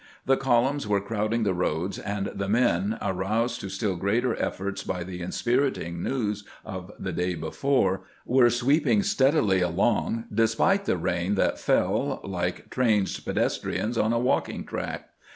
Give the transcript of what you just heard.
The columns were crowding the roads, and the men, aroused to still greater efforts by the inspiriting news of the day before, were sweeping steadily along, despite the rain that fell, like trained pedestrians on a walking track.